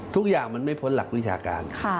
ทุกอย่างมันไม่พ้นหลักวิชาการ